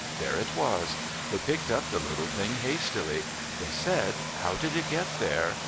There it was. They picked up the little thing hastily. They said, "How did it get there?"